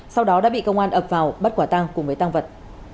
sau đó đã bị công an ập vào bắt quả tang cùng với tang vật